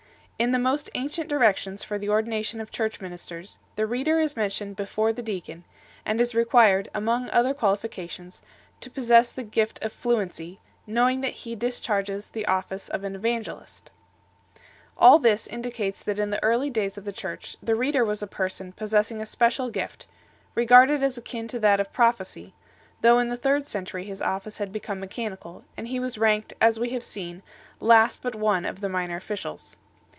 In the most ancient directions for the ordination of Church ministers, the reader is mentioned before the deacon, and is required (among other qualifications) to possess the gift of fluency, "knowing that he discharges the office of an evangelist 1 ". All this indicates that in the early days of the Church the reader was a person possessing a special gift, regarded as akin to that of pro phecy, though in the third century his office had become mechanical, and he was ranked, as we have seen, last but one of the minor officials.